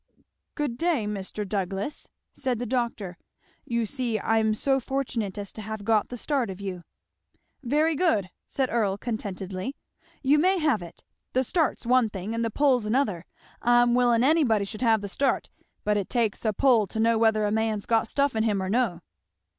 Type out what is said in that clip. "Good day, Mr. Douglass!" said the doctor. "You see I'm so fortunate as to have got the start of you." "Very good," said Earl contentedly, "you may have it; the start's one thing and the pull's another. I'm willin' anybody should have the start, but it takes a pull to know whether a man's got stuff in him or no."